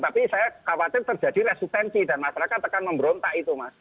tapi saya khawatir terjadi resistensi dan masyarakat tekan memberontak itu mas